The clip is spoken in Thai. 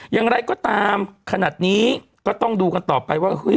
อย่างไรก็ตามขนาดนี้ก็ต้องดูกันต่อไปว่าเฮ้ย